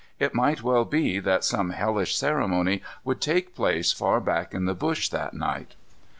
It might well be that some hellish ceremony would take place far back in the bush that night.